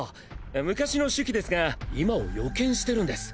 昔の手記ですが今を予見してるんです。